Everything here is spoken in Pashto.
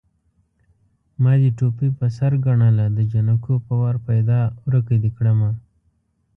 ما دې ټوپۍ په سر ګڼله د جنکو په وار پيدا ورکه دې کړمه